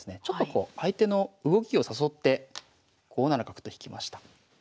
ちょっとこう相手の動きを誘って５七角と引きました。